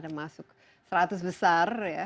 masuk seratus besar ya